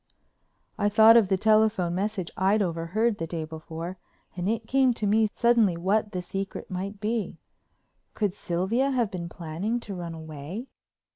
I thought of the telephone message I'd overheard the day before and it came to me suddenly what "the secret" might be. Could Sylvia have been planning to run away?